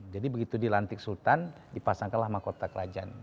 jadi begitu dilantik sultan dipasangkanlah mahkota kerajaan